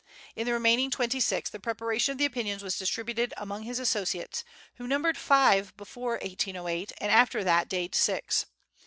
In the remaining twenty six the preparation of the opinions was distributed among his associates, who numbered five before 1808 and after that date six.